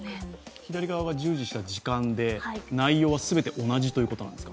左側が従事した時間で内容は全て同じということなんですか。